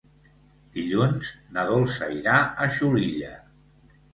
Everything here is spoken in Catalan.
Dilluns na Dolça irà a Xulilla.